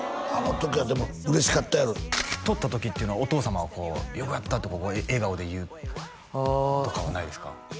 あの時はでも嬉しかったやろとった時っていうのはお父様はこうよかったってこう笑顔で言うああとかはないですか？